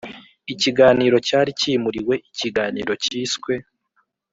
ikiganiro cyari cyimuriwe. ikiganiro cyiswe